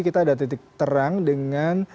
kita ada titik terang dengan